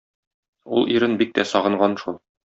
Ул ирен бик тә сагынган шул.